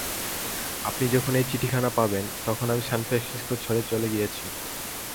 আপনি যখন এ চিঠিখানা পাবেন, তখন আমি সান ফ্রান্সিস্কো ছেড়ে চলে গিয়েছি।